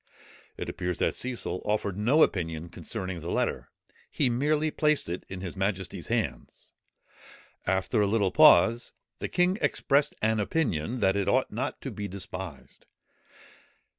It appears that Cecil offered no opinion concerning the letter; he merely placed it in his majesty's hands. After a little pause, the king expressed an opinion that it ought not to be despised.